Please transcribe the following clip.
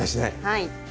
はい。